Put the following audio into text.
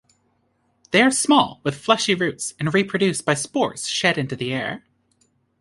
They are small, with fleshy roots, and reproduce by spores shed into the air.